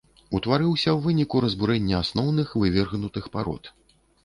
Утварыўся ў выніку разбурэння асноўных вывергнутых парод.